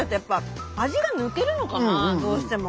あのどうしても。